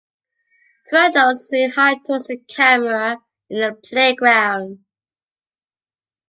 Two adults swing high towards a camera in a playground.